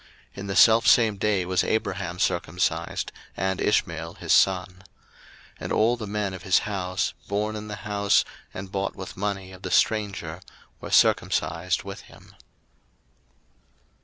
01:017:026 In the selfsame day was Abraham circumcised, and Ishmael his son. 01:017:027 And all the men of his house, born in the house, and bought with money of the stranger, were circumcised with him.